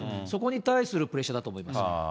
そこに対するプレッシャーだと思います。